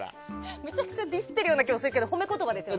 めちゃくちゃディスってるような気がするけど褒め言葉ですよね。